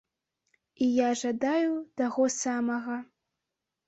І я жадаю таго самага.